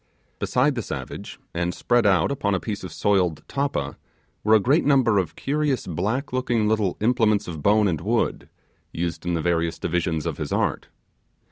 Beside the savage, and spread out upon a piece of soiled tappa, were a great number of curious black looking little implements of bone and wood, used in the various divisions of his art.